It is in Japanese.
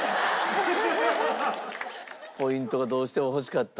ポイントがどうしても欲しかった？